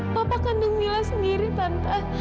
papa kandung mila sendiri tante